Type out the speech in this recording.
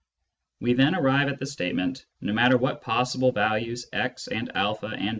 We then arrive at the statement :" No matter what possible values x and a and